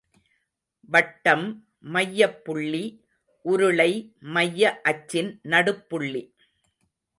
வட்டம் மையப் புள்ளி, உருளை மைய அச்சின் நடுப்புள்ளி.